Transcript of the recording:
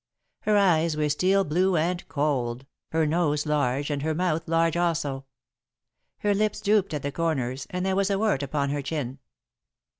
Her eyes were steel blue and cold, her nose large and her mouth large also. Her lips drooped at the corners and there was a wart upon her chin.